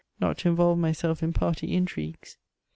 not to involve myself in party intrigues.